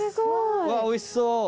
うわおいしそう。